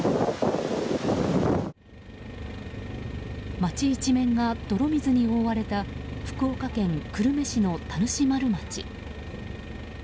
町一面が泥水に覆われた福岡県久留米市の田主丸町。